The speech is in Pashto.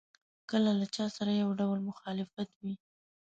کله له چا سره یو ډول مخالف وي.